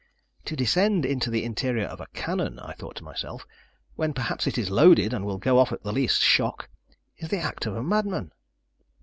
"To descend into the interior of a cannon," I thought to myself, "when perhaps it is loaded, and will go off at the least shock, is the act of a madman."